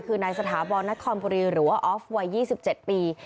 คือนายสถาบรนครบุรีหรือว่าออฟวัย๒๗ปี